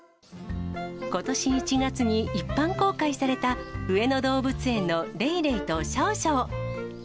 ことし１月に一般公開された、上野動物園のレイレイとシャオシャオ。